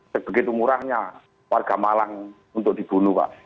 sebegitu murahnya warga malang untuk dibunuh pak